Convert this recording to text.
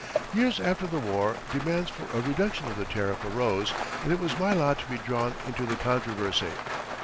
Years after the war, demands for a reduction of the tariff arose and it was my lot to be drawn into the controversy.